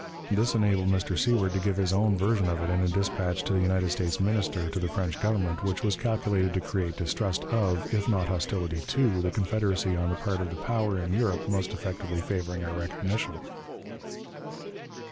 This enabled Mr. Seward to give his own version of it in a dispatch to the United States Minister to the French Government, which was calculated to create distrust of, if not hostility to, the Confederacy on the part of the power in Europe most effectively favoring our recognition.